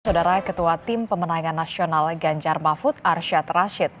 saudara ketua tim pemenangan nasional ganjar mahfud arsyad rashid